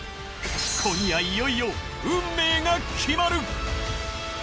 今夜いよいよ運命が決まる。